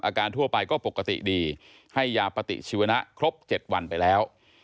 ทั่วไปก็ปกติดีให้ยาปฏิชีวนะครบ๗วันไปแล้ว